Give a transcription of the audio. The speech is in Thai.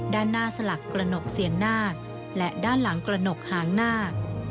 ด้านหน้าสลักกระหนกเซียนนาคและด้านหลังกระหนกหางนาค